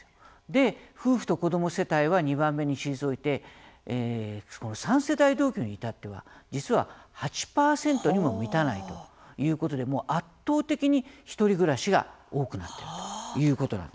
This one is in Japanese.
夫婦と子ども世帯は２番目に退いて３世代同居に至っては、実は８％にも満たないということで圧倒的に１人暮らしが多くなっているということなんですね。